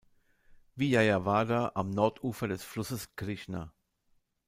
Vijayawada am Nordufer des Flusses Krishna.